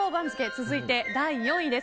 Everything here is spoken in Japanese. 続いて第４位です。